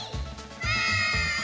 はい！